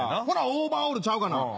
ほなオーバーオールちゃうがな。